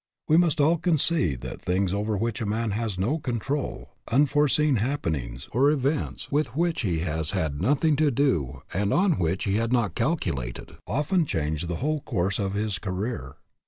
We must all concede that things over which a man has no control, unforeseen hap penings, or events with which he has had noth ing to do and on which he had not calculated, often change the whole course of his career.